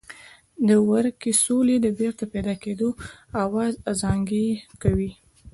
د ورکې سولې د بېرته پیدا کېدو آواز ازانګې کوي.